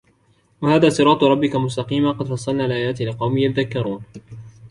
وَهَذَا صِرَاطُ رَبِّكَ مُسْتَقِيمًا قَدْ فَصَّلْنَا الْآيَاتِ لِقَوْمٍ يَذَّكَّرُونَ